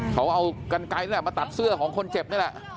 เขาเอากันไกลนี่แหละมาตัดเสื้อของคนเจ็บนี่แหละ